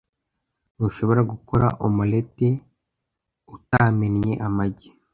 Ntushobora gukora omelette utamennye amagi.